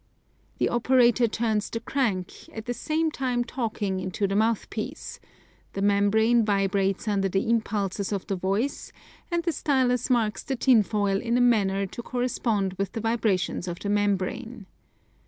The operator turns the crank, at the same time talking into the mouth piece; the membrane vibrates under the impulses of the voice, and the stylus marks the tin foil in a manner to correspond with the vibrations of the membrane.